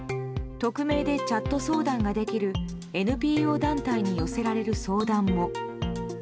匿名でチャット相談ができるＮＰＯ団体に寄せられる相談も。